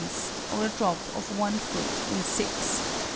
or a drop of one foot in six.